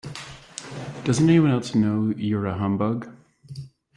Doesn't anyone else know you're a humbug?